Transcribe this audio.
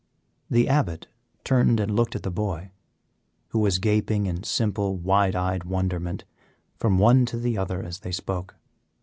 The Abbot turned and looked at the boy, who was gaping in simple wide eyed wonderment from one to the other as they spoke.